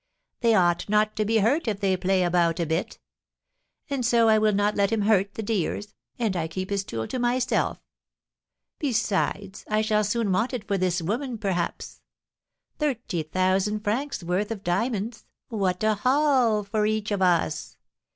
They ought not to be hurt if they play about a bit; and so I will not let him hurt the dears, and I keep his tool to myself. Besides, I shall soon want it for this woman, perhaps. Thirty thousand francs' worth of diamonds, what a 'haul' for each of us!